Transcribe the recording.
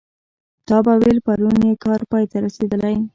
تا به ویل پرون یې کار پای ته رسېدلی.